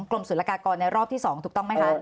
ศูนย์ละกากรในรอบที่๒ถูกต้องไหมคะ